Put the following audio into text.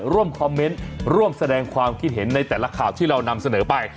ร่วมคอมเมนต์ร่วมแสดงความคิดเห็นในแต่ละข่าวที่เรานำเสนอไป